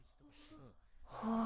はあ。